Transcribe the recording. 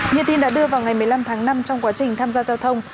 như tin đã đưa vào ngày một mươi năm tháng năm trong quá trình tham gia giao thông